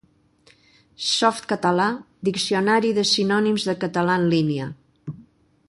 Softcatalà, diccionari de sinònims de català en línia.